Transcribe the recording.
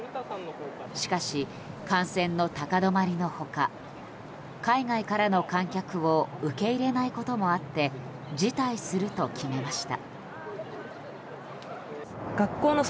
しかし感染の高止まりのほか海外からの観客を受け入れないこともあって辞退すると決めました。